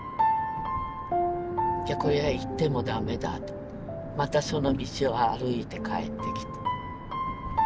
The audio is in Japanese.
これは行ってもダメだとまたその道を歩いて帰ってきて。